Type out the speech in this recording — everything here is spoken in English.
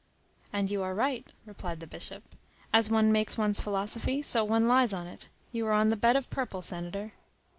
"And you are right," replied the Bishop. "As one makes one's philosophy, so one lies on it. You are on the bed of purple, senator."